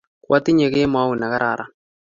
Kwatinye kemout ne kararan.